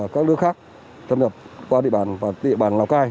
các nước khác thâm nhập qua địa bàn lào cai